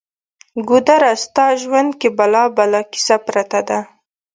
ګودره! ستا ژوند کې بلا بلا کیسه پرته ده